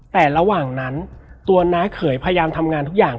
แต่ระหว่างนั้นตัวน้าเขยพยายามทำงานทุกอย่าง